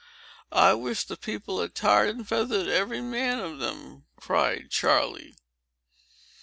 "I wish the people had tarred and feathered every man of them!" cried Charley.